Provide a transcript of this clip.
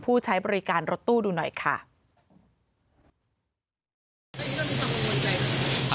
ผู้ใช้บริการรถตู้ดูหน่อยค่ะ